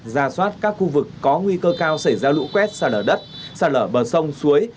ra soát các khu vực có nguy cơ cao xảy ra lũ quét xa lở đất sạt lở bờ sông suối